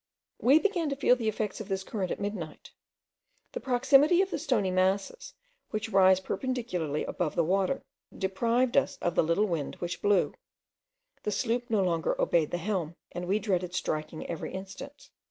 We began to feel the effects of this current at midnight. The proximity of the stony masses, which rise perpendicularly above the water, deprived us of the little wind which blew: the sloop no longer obeyed the helm, and we dreaded striking every instant.